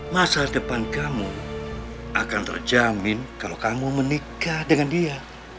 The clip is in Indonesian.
masa depan kamu akan terjamin kalau kamu menikah dengan dia